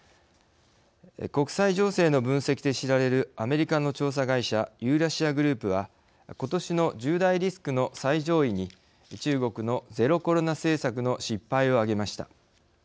国際情勢の分析で知られるアメリカの調査会社ユーラシア・グループはことしの１０大リスクの最上位に中国のゼロコロナ政策の失敗を挙げました。